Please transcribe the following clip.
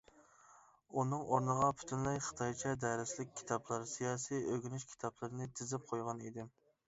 ئۇنىڭ ئورنىغا پۈتۈنلەي خىتايچە دەرسلىك كىتابلار، سىياسىي ئۆگىنىش كىتابلىرىنى تىزىپ قويغان ئىدىم.